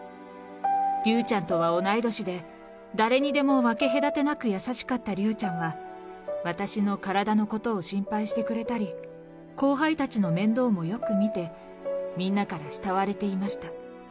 竜ちゃんとは同い年で、誰にでも分け隔てなく優しかった竜ちゃんは、私の体のことを心配してくれたり、後輩たちの面倒もよく見て、みんなから慕われていました。